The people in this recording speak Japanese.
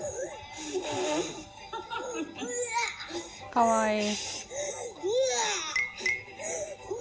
かわいい。